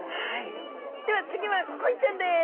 では次はコイちゃんです。